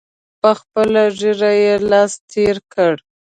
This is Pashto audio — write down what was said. په خپله ږیره یې لاس تېر کړ.